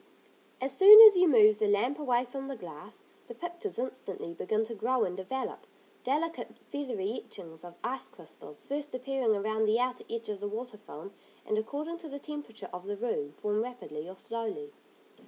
As soon as you move the lamp away from the glass, the pictures instantly begin to grow and develop. Delicate, feathery etchings of ice crystals first appearing around the outer edge of the water film, and according to the temperature of the room, form rapidly or slowly.